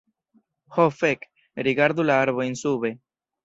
Ho fek! Rigardu la arbojn sube